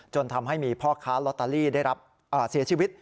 จนทำให้มีพ่อค้าลอตเตอรี่ได้รับเสียชีวิต